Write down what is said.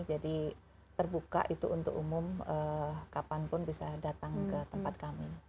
jadi terbuka itu untuk umum kapanpun bisa datang ke tempat kami